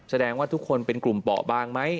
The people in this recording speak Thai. แสดงว่าทุกคนเป็นกลุ่มเปาะบางไหม